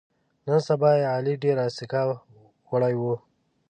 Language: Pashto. نن سبا یې علي ډېره اسکه وړوي.